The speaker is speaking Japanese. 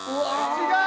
違う？